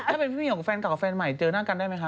โดยเพียงแฟนเก่าเฟนใหม่เจอหน้ากันได้ไหมคะ